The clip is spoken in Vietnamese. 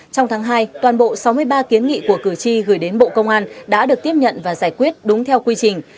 trong tháng hai toàn bộ sáu mươi ba kiến nghị của cử tri gửi đến bộ công an đã được tiếp nhận và giải quyết đúng theo quy trình